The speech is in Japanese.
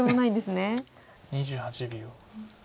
２８秒。